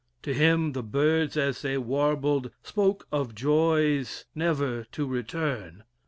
To him the birds, as they warbled, spoke of joys never to return.